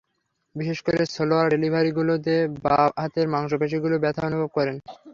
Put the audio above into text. বিশেষ করে স্লোয়ার ডেলিভারিগুলোতে বাঁ হাতের মাংস পেশিগুলোতে ব্যথা অনুভব করেন।